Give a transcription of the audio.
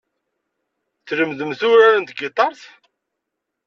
Tlemdemt urar n tgitart?